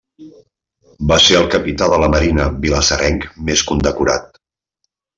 Va ser el capità de la marina vilassarenc més condecorat.